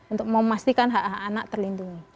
untuk memastikan hak hak anak terlindungi